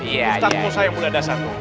ustadz musa yang mulia dasar